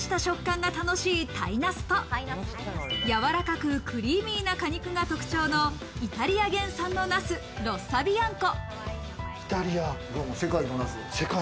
皮が硬く、バリッとした食感が楽しいタイナスと、やわらかくクリーミーな果肉が特徴のイタリア原産のナス、ロッサビアンコ。